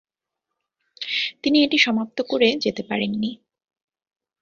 তিনি এটি সমাপ্ত করে যেতে পারেননি।